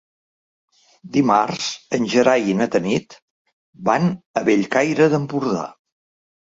Dimarts en Gerai i na Tanit van a Bellcaire d'Empordà.